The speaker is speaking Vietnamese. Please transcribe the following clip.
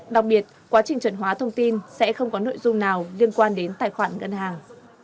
đặc biệt quá trình chuẩn hóa thông tin sẽ không có nội dung nào liên quan đến tài khoản ngân hàng